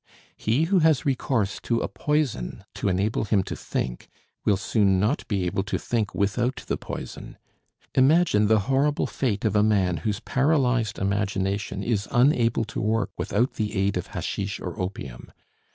He who has recourse to a poison to enable him to think, will soon not be able to think without the poison. Imagine the horrible fate of a man whose paralyzed imagination is unable to work without the aid of hashish or opium....